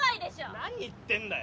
何言ってんだよ。